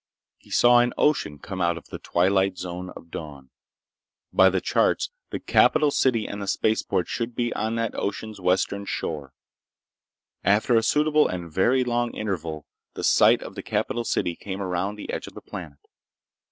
He saw an ocean come out of the twilight zone of dawn. By the charts, the capital city and the spaceport should be on that ocean's western shore. After a suitable and very long interval, the site of the capital city came around the edge of the planet.